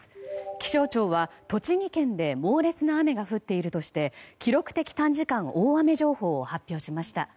気象庁は栃木県で猛烈な雨が降っているとして記録的短時間大雨情報を発表しました。